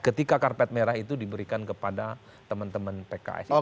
ketika karpet merah itu diberikan kepada teman teman pks